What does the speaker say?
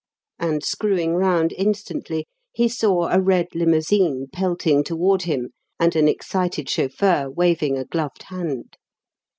And, screwing round instantly, he saw a red limousine pelting toward him, and an excited chauffeur waving a gloved hand.